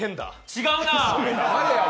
違うなぁ。